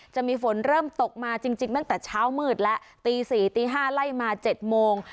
จะมีฝนเริ่มตกมาจริงจริงตั้งแต่เช้ามืดแล้วตีสี่ตีห้าไล่มาเจ็ดโมง